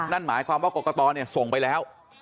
นั่นหมายความว่ากรกตส่งไปแล้ว